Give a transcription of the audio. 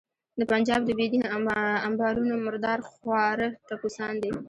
د پنجاب د بې دینه امبارونو مردار خواره ټپوسان دي.